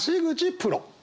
プロ。